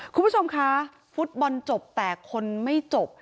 คุณผู้ชมคะฟุตบอลจบแต่คนไม่จบ